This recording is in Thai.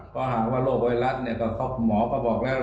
ก็หากว่าโรคโวยรัสหมอก็บอกแรก